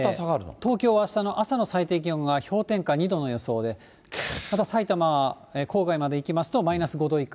東京はあしたの朝の最低気温は氷点下２度の予想で、あと埼玉、郊外まで行きますとマイナス５度以下。